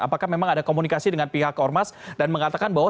apakah memang ada komunikasi dengan pihak ormas dan mengatakan bahwa